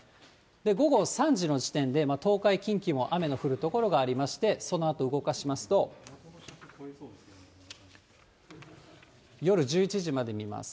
午後３時の時点で東海、近畿も雨の降る所がありまして、そのあと動かしますと、夜１１時まで見ます。